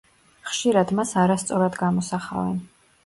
ხშირად მას არასწორად გამოსახავენ.